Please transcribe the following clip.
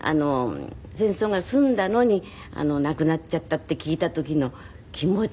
戦争が済んだのに亡くなっちゃったって聞いた時の気持ち。